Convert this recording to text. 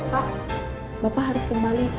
pak bapak harus kembali